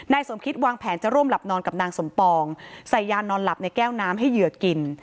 สมคิดวางแผนจะร่วมหลับนอนกับนางสมปองใส่ยานอนหลับในแก้วน้ำให้เหยื่อกิน